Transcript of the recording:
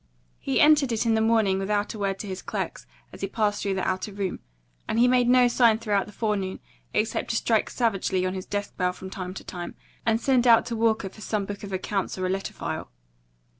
He entered it in the morning without a word to his clerks as he passed through the outer room, and he made no sign throughout the forenoon, except to strike savagely on his desk bell from time to time, and send out to Walker for some book of accounts or a letter file.